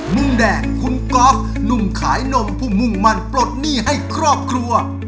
มุมแดงคุณก๊อฟหนุ่มขายนมผู้มุ่งมั่นปลดหนี้ให้ครอบครัว